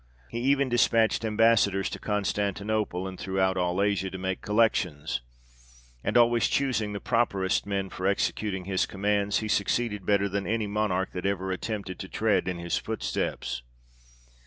He even dispatched Ambassadors to Constantinople, and throughout all Asia, to make collections ; and always choosing the properest men for executing his commands, he succeeded better than any Monarch that ever attempted to tread in his footsteps.